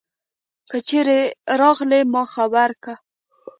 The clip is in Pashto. که چیری راغلي ما خبر که